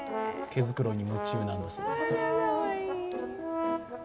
毛繕いに夢中なんだそうです。